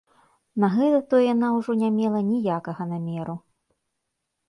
На гэта то яна ўжо не мела ніякага намеру.